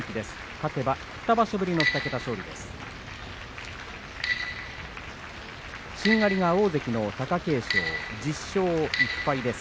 勝てば２場所ぶりの２桁勝利です。